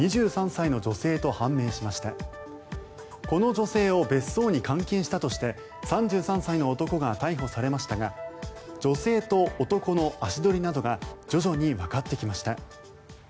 この女性を別荘に監禁したとして３３歳の男が逮捕されましたが女性と男の足取りなどが徐々にわかってきました。